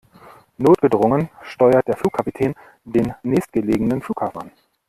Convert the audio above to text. Notgedrungen steuert der Flugkapitän den nächstgelegenen Flughafen an.